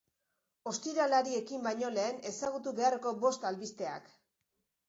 Ostiralari ekin baino lehen ezagutu beharreko bost albisteak.